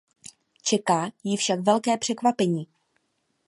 Čeká ji však velké překvapení.